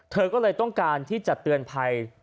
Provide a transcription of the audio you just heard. เธอก็เลยต้องการที่จะเตือนภัย